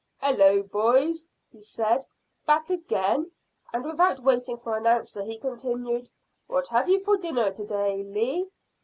"Hallo, boys!" he said; "back again?" and without waiting for an answer, he continued, "What have you for dinner to day, Lee?"